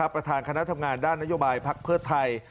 ประธานคณะทำงานด้านนโยบายพักเพื่อไทย